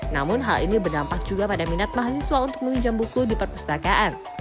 namun hal ini berdampak juga pada minat mahasiswa untuk meminjam buku di perpustakaan